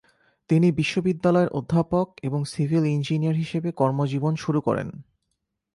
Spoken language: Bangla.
তিনি বিশ্ববিদ্যালয়ের অধ্যাপক এবং সিভিল ইঞ্জিনিয়ার হিসেবে কর্মজীবন শুরু করেন।